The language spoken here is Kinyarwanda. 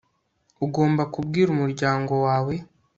ugomba kubwira umuryango wawe